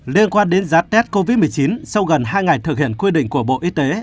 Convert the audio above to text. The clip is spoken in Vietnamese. liên quan đến giá test covid một mươi chín sau gần hai ngày thực hiện quy định của bộ y tế